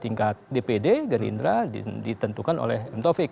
tingkat dpd gerindra ditentukan oleh m taufik